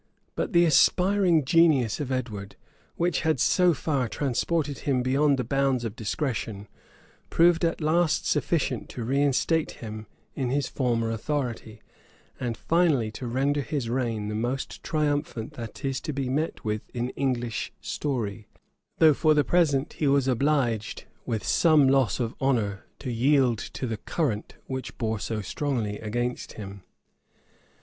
But the aspiring genius of Edward, which had so far transported him beyond the bounds of discretion, proved at last sufficient to reinstate him in his former authority, and finally to render his reign the most triumphant that is to be met with in English story; though for the present he was obliged, with some loss of honor, to yield to the current which bore so strongly against him.